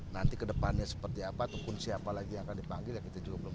nanti kedepannya seperti apa ataupun siapa lagi yang akan dipanggil ya kita juga belum tahu